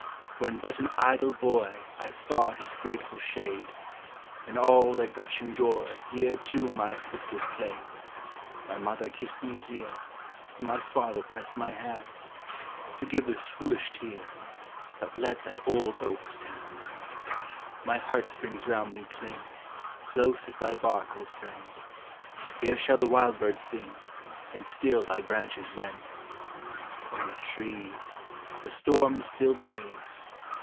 When but an idle boy, I sought its grateful shade; In all their gushing joy Here, too, my sisters played. My mother kissed me here; My father pressed my hand Forgive this foolish tear, But let that old oak stand. My heart strings round thee cling, Close as thy bark, old friend! Here shall the wild bird sing, And still thy branches bend. Old tree! the storm still brave!